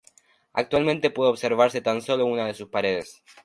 Actualmente puede observarse tan solo una de sus paredes.